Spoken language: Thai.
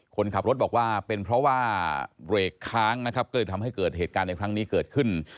คนขับรถบอกว่าเป็นเพราะว่าเบรกค้างนะครับก็เลยทำให้เกิดเหตุการณ์ในครั้งนี้เกิดขึ้น